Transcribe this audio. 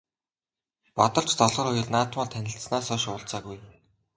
Бадарч Долгор хоёр наадмаар танилцсанаас хойш уулзаагүй.